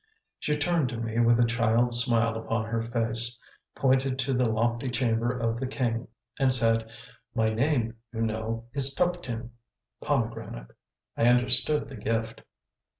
She turned to me with a child's smile upon her face, pointed to the lofty chamber of the king, and said, "My name, you know, is Tuptim" (Pomegranate). I understood the gift.